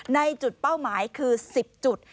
ในจุดเป้าหมายคือ๑๐จุด